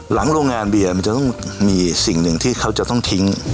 โรงงานเบียร์มันจะต้องมีสิ่งหนึ่งที่เขาจะต้องทิ้ง